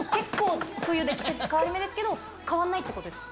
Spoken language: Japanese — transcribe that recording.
冬で季節変わり目ですけど変わんないってことですか？